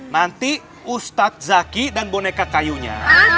nanti ustadz zaki dan boneka kayunya